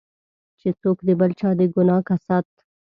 چې څوک د بل چا د ګناه کسات.